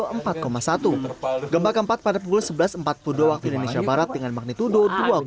gempa keempat pada pukul sebelas empat puluh dua waktu indonesia barat dengan magnitudo dua empat